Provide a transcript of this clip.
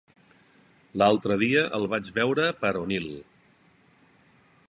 L'altre dia el vaig veure per Onil.